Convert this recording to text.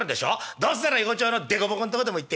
どうせなら横町の凸凹んとこでも行ってね